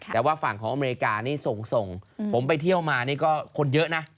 แต่ว่าฝั่งของอเมริกานี่ส่งผมไปเที่ยวมานี่ก็คนเยอะนะ